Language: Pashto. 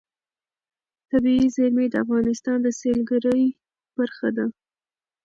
طبیعي زیرمې د افغانستان د سیلګرۍ برخه ده.